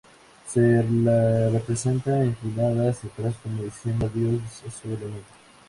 Se le representa inclinada hacia atrás como diciendo adiós a su elemento.